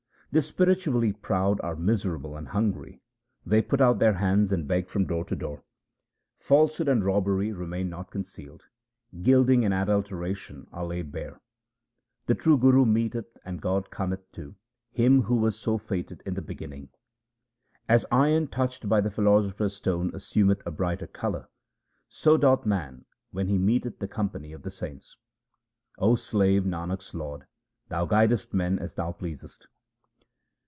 The spiritually proud are miserable and hungry ; they put out their hands and beg from door to door. Falsehood and robbery remain not concealed ; gilding and adulteration are laid bare. The true Guru meeteth, and God cometh to, him who was so fated in the beginning. As iron touched by the philosopher's stone assumeth a bright colour, so doth man when he meeteth the company of the saints. 0 slave Nanak's Lord, Thou guidest men as Thou pleasest.